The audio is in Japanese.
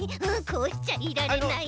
こうしちゃいられない。